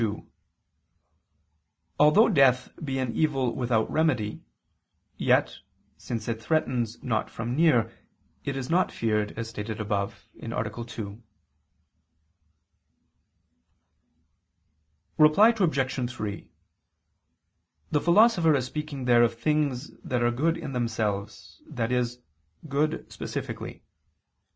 2: Although death be an evil without remedy, yet, since it threatens not from near, it is not feared, as stated above (A. 2). Reply Obj. 3: The Philosopher is speaking there of things that are good in themselves, i.e., good specifically.